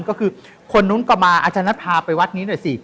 ก็คือคนนู้นก็มาอาจารย์นัทพาไปวัดนี้หน่อยสิ